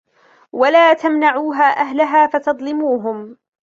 وَلَا تَمْنَعُوهَا أَهْلَهَا فَتَظْلِمُوهُمْ